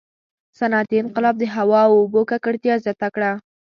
• صنعتي انقلاب د هوا او اوبو ککړتیا زیاته کړه.